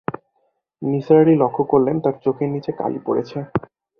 নিসার আলি লক্ষ্য করলেন, তার চোখের নিচে কালি পড়েছে।